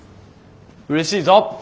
うれしいぞ！